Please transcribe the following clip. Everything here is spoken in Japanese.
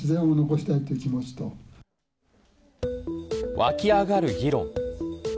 湧き上がる議論。